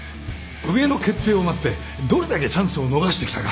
上の決定を待ってどれだけチャンスを逃してきたか。